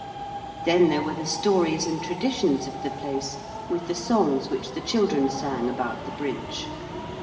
Then there were the stories and traditions of the place, with the songs which the children sang about the Bridge.